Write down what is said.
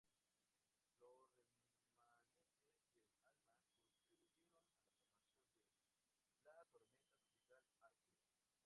Los remanentes del Alma contribuyeron a la formación de la tormenta tropical Arthur.